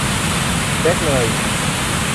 เช็กเลย